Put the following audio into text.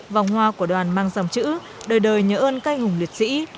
vòng hoa của đoàn mang dòng chữ đời đời nhớ ơn canh hùng liệt sĩ